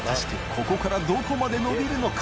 ここからどこまで伸びるのか？